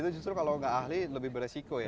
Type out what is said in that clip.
jadi itu justru kalau nggak ahli lebih beresiko ya